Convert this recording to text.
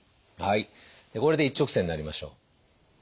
はいこれで一直線になりましょう。